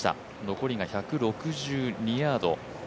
残りが１６２ヤード。